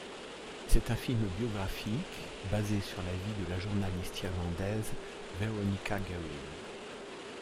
C'est un film biographique basé sur la vie de la journaliste irlandaise Veronica Guerin.